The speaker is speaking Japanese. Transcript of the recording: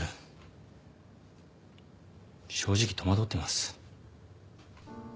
正直戸惑ってます。